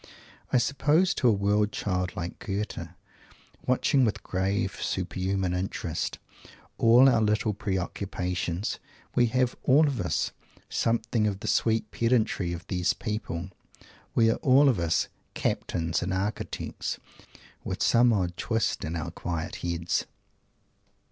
I suppose to a world child like Goethe, watching, with grave super human interest, all our little pre occupations, we have all of us something of the sweet pedantry of these people we are all of us "Captains" and "Architects" with some odd twist in our quiet heads.